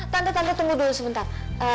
tante tante tunggu dulu sebentar